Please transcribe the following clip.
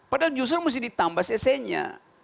padahal justru mesti ditambah cc nya